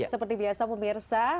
seperti biasa pemirsa